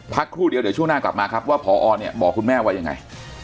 ครู่เดียวเดี๋ยวช่วงหน้ากลับมาครับว่าพอเนี่ยบอกคุณแม่ว่ายังไง